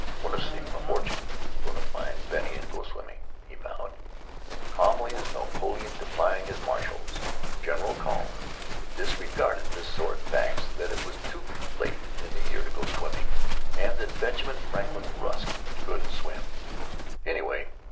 "I'm gonna seek my fortune. I'm gonna find Bennie and go swimming," he vowed. Calmly as Napoleon defying his marshals, General Carl disregarded the sordid facts that it was too late in the year to go swimming, and that Benjamin Franklin Rusk couldn't swim, anyway.